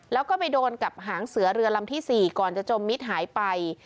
แล้วก็ไปโดนกับหางเสือเรือลำที่๔ก่อนจะจมมิตรหายไป